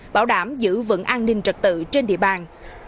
bảo đảm giữ vững an ninh trật tự trên địa bàn